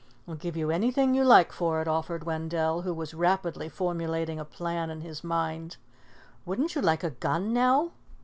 "I'll give you anything you like for it," offered Wendell, who was rapidly formulating a plan in his mind. "Wouldn't you like a gun, now?"